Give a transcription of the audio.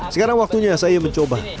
sekarang waktunya saya mencoba